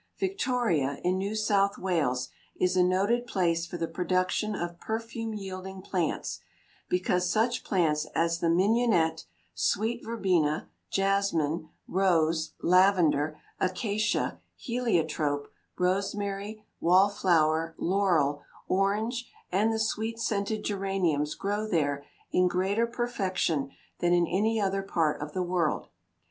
Victoria, in New South Wales, is a noted place for the production of perfume yielding plants, because such plants as the mignonette, sweet verbena, jasmine, rose, lavender, acacia, heliotrope, rosemary, wallflower, laurel, orange, and the sweet scented geraniums grow there in greater perfection than in any other part of the world.